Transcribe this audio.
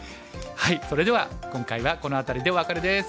それでは今回はこの辺りでお別れです。